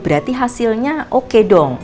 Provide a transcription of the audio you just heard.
berarti hasilnya oke dong